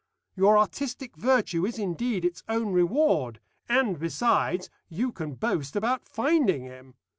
Your artistic virtue is indeed its own reward, and, besides, you can boast about finding him.